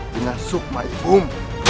dengan sukma ibum